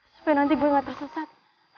supaya nanti gue gak tersesat